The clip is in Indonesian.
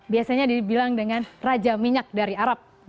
biasanya dibilang dengan raja minyak dari arab